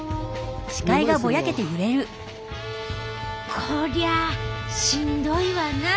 こりゃしんどいわなぁ。